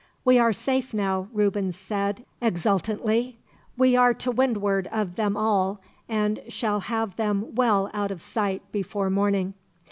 "We are safe now," Reuben said, exultantly. "We are to windward of them all, and shall have them well out of sight, before morning."